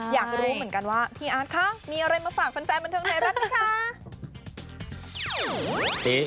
อยากรู้เหมือนกันว่าพี่อาร์ตคะมีอะไรมาฝากแฟนบันเทิงไทยรัฐไหมคะ